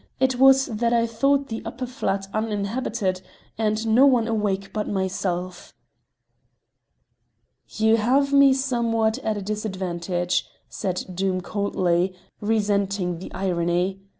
It was that I thought the upper flat uninhabited, and no one awake but myself." "You have me somewhat at a disadvantage," said Doom coldly, resenting the irony.